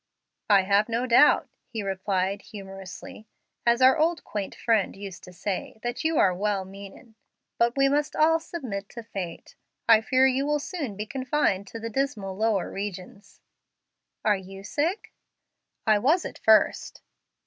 "I have no doubt," he replied, humorously, "as our quaint old friend used to say, that you are 'well meanin',' but we must all submit to fate. I fear you will soon be confined to the dismal lower regions." "Are you sick?" "I was at first."